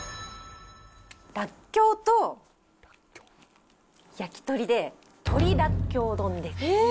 らっきょうと焼き鳥で鳥らっきょう丼です。